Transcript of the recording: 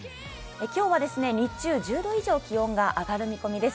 今日は日中１０度以上気温が上がる見込みです。